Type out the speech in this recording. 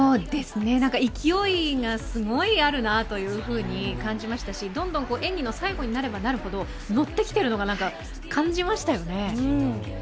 勢いがすごいあるなというふうに感じましたしどんどん演技の最後になればなるほどノッてきているのが感じましたよね。